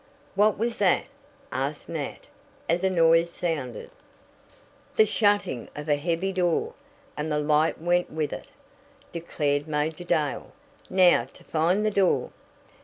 "What was that?" asked Nat as a noise sounded. "The shutting of a heavy door and the light went with it," declared Major Dale. "Now to find the door."